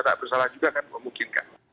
tak bersalah juga kan memungkinkan